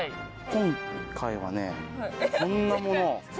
今回はねこんなものを。